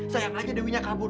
sayang aja dewinya kabur